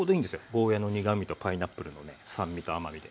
ゴーヤーの苦みとパイナップルのね酸味と甘みで。